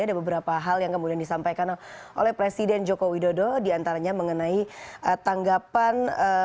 ada beberapa hal yang kemudian disampaikan oleh presiden joko widodo diantaranya mengenai tanggapan